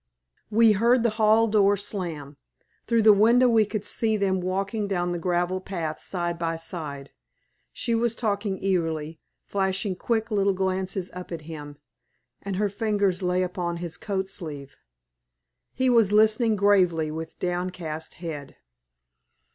We heard the hall door slam. Through the window we could see them walking down the gravel path side by side. She was talking eagerly, flashing quick little glances up at him, and her fingers lay upon his coat sleeve. He was listening gravely with downcast head.